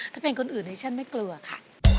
ถ้าเป็นคนอื่นดิฉันไม่กลัวค่ะ